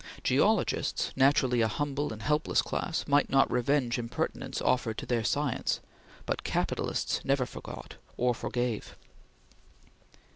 Geologists, naturally a humble and helpless class, might not revenge impertinences offered to their science; but capitalists never forgot or forgave.